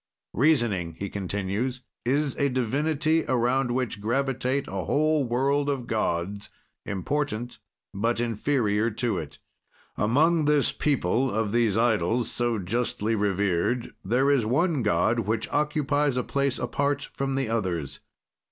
"Reasoning," he continues, "is a divinity, around which gravitate a whole world of gods, important but inferior to it. "Among this people of these idols, so justly revered, there is one god which occupies a place apart from the others.